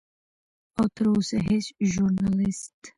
او تر اوسه هیڅ ژورنالست